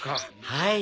はい。